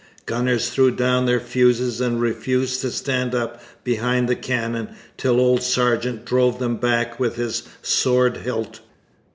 Gunners threw down their fuses and refused to stand up behind the cannon till old Sargeant drove them back with his sword hilt.